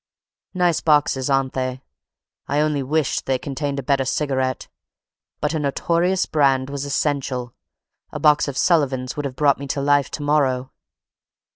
Nice boxes, aren't they? I only wished they contained a better cigarette; but a notorious brand was essential; a box of Sullivans would have brought me to life to morrow."